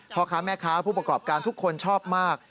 พ่อค้าแม่ค้าผู้ประกอบการทุกคนชอบมาก